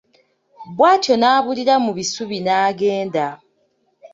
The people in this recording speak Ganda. Bw'atyo n'abulira mu bisubi n'agenda.